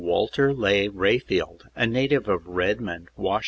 Walter Leigh Rayfield, a native of Redmond, Wash.